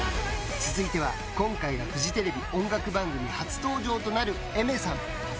続いては今回、フジテレビ音楽番組初登場となるＡｉｍｅｒさん。